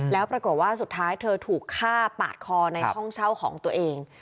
แล้วปรากฏว่าสุดท้ายเธอถูกฆ่าปาดคอในห้องเช่าของตัวเอง